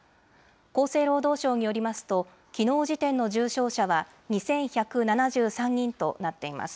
厚生労働省によりますと、きのう時点の重症者は２１７３人となっています。